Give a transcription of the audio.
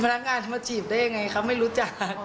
พนักงานเขามาจีบได้ยังไงเขาไม่รู้จัก